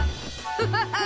ハハハハ。